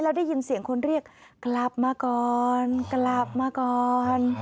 แล้วได้ยินเสียงคนเรียกกลับมาก่อนกลับมาก่อน